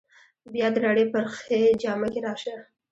بیا د رڼې پرخې جامه کې راشه